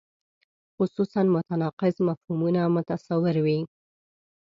خصوصاً متناقض مفهومونه متصور وي.